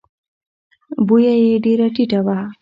بویه یې ډېره ټیټه وه.